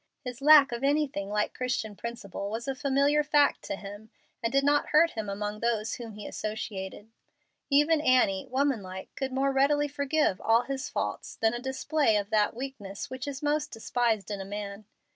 His lack of anything like Christian principle was a familiar fact to him, and did not hurt him among those with whom he associated. Even Annie, woman like, could more readily forgive all his faults than a display of that weakness which is most despised in a man.